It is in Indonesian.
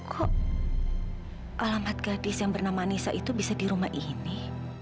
kok alamat gadis yang bernama anissa itu bisa di rumah ini